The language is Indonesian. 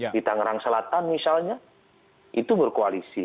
di tangerang selatan misalnya itu berkoalisi